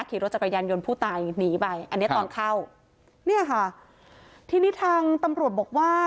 ขี่รถจักรยานยนต์ผู้ตายหนีไปอันเนี้ยตอนเข้าเนี่ยค่ะทีนี้ทางตำรวจบอกว่า